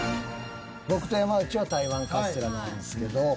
僕と山内は台湾カステラなんですけど。